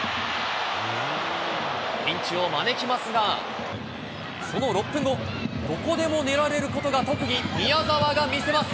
ピンチを招きますが、その６分後、どこでも寝られることが特技、宮澤が見せます。